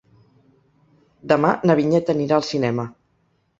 Demà na Vinyet anirà al cinema.